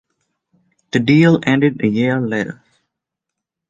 The deal ended a year later.